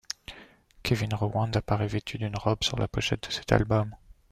Kevin Rowland apparaît vêtu d'une robe sur la pochette de cet album.